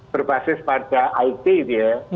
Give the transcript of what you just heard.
berbasis pada it gitu ya